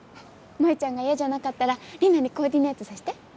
萌ちゃんが嫌じゃなかったらリナにコーディネートさせて？